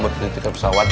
buat pelitikan pesawat